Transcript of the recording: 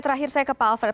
terakhir saya ke pak alfred